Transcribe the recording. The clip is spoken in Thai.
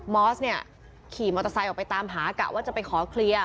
อสเนี่ยขี่มอเตอร์ไซค์ออกไปตามหากะว่าจะไปขอเคลียร์